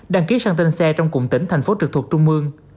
đăng ký sang tên xe trong cụm tỉnh thành phố trực thuộc trung mương